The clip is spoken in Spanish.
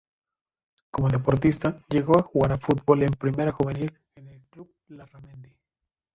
Como deportista llegó a jugar a fútbol en Primera Juvenil en el club Larramendi.